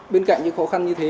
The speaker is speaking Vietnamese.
bên cạnh những khó khăn như thế